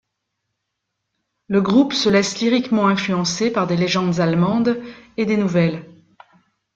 Le groupe se laisse lyriquement influencer par des légendes allemandes et des nouvelles.